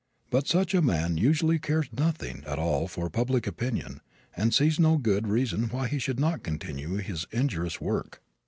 But such a man usually cares nothing at all for public opinion and he sees no good reason why he should not continue in his injurious work.